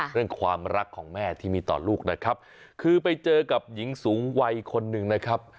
เรื่องความรักของแม่ที่มีต่อลูกนะครับคือไปเจอกับหญิงสูงวัยคนหนึ่งนะครับ